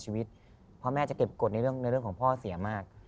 เกิดเกิดในเรื่องของพ่อเสียมาก